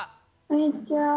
こんにちは。